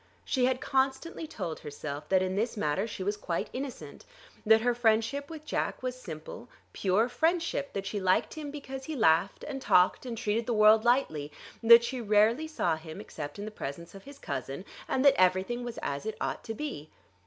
She had constantly told herself that in this matter she was quite innocent, that her friendship with Jack was simple, pure friendship, that she liked him because he laughed and talked and treated the world lightly; that she rarely saw him except in the presence of his cousin, and that everything was as it ought to be.